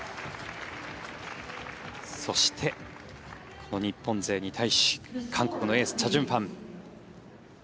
そして、この日本勢に対し韓国のエースチャ・ジュンファン。